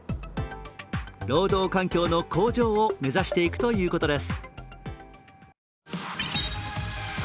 労働環境の向上を目指していくということです。